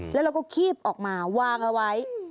แล้วเราก็คีบออกมาวางเอาไว้